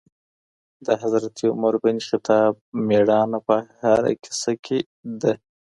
د حضرت عمر بن خطاب مېړانه په هره کیسې کي ده.